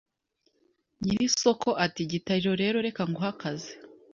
Nyiri isoko ati Gitariro rero reka nguhe akazi